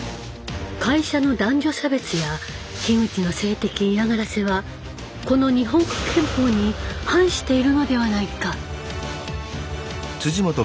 会社の男女差別や樋口の性的嫌がらせはこの日本国憲法に反しているのではないか！